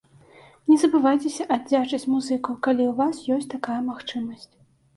Не забывайцеся аддзячыць музыкаў, калі ў вас ёсць такая магчымасць.